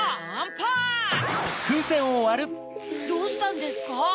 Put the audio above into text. パンどうしたんですか？